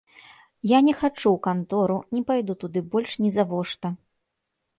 Я не хачу ў кантору, не пайду туды больш нізавошта.